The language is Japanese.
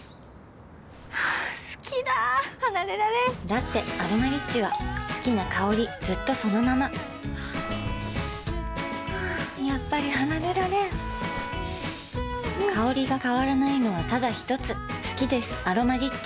好きだ離れられんだって「アロマリッチ」は好きな香りずっとそのままやっぱり離れられん香りが変わらないのはただひとつ好きです「アロマリッチ」